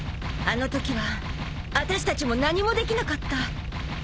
あのときはあたしたちも何もできなかった。